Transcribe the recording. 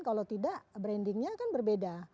kalau tidak brandingnya akan berbeda